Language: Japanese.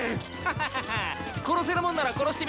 ハハハハ殺せるもんなら殺してみろ！